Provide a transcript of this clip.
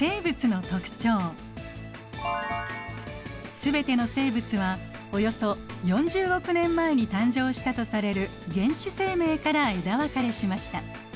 全ての生物はおよそ４０億年前に誕生したとされる原始生命から枝分かれしました。